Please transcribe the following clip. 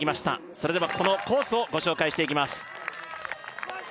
それではこのコースをご紹介していきます